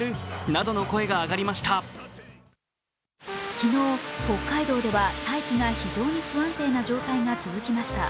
昨日、北海道では大気が非常に不安定な状態が続きました。